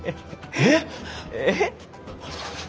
えっ？えっ？